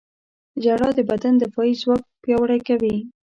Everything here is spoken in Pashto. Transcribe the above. • ژړا د بدن دفاعي ځواک پیاوړی کوي.